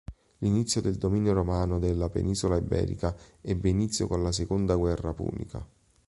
L'inizio del dominio romano della penisola iberica ebbe inizio con la seconda guerra punica.